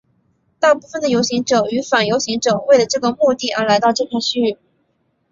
大部分的游行者与反游行者为了这个目的而来到这片区域。